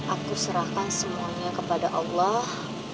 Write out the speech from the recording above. aku serahkan semuanya kepada allah